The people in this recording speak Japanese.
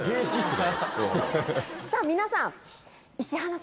さぁ皆さん。